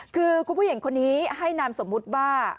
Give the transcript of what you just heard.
คือคุณผู้หญิงคนนี้ให้นามสมมุติว่า